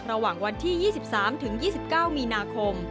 ระหว่างวันที่๒๓๒๙มีนาคม